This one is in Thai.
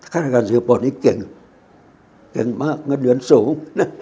ข้ารัชการสิงคโปร์นี้เก่งเก่งมากเงินเดือนสูง